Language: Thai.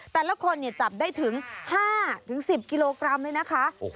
แต่ละคนจับได้ถึง๕๑๐กิโลกรัมเลยนะคะ